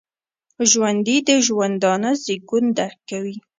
ژوندي د ژوندانه زیږون درک کوي